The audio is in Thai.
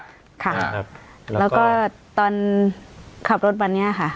ค่ะแล้วก็ตอนขับรถวันนี้ค่ะ